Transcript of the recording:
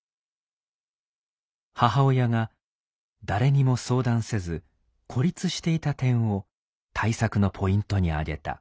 母親が誰にも相談せず孤立していた点を対策のポイントに挙げた。